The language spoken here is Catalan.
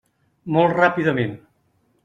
Molt ràpidament.